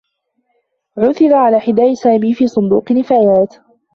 عُثِر على حذاء سامي في صندوق نفايات.